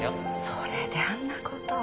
それであんな事を。